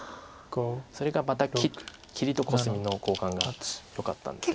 それがまた切りとコスミの交換がよかったんです。